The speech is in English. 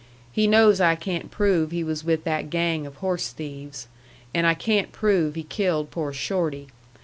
He knows I can't prove he was with that gang of horse thieves. And I can't prove he killed poor Shorty.